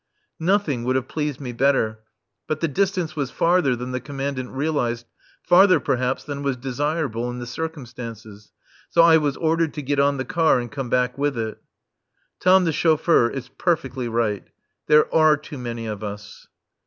Nothing would have pleased me better, but the distance was farther than the Commandant realized, farther, perhaps, than was desirable in the circumstances, so I was ordered to get on the car and come back with it. (Tom the chauffeur is perfectly right. There are too many of us.)